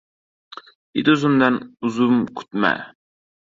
• Ituzumdan uzum kutma.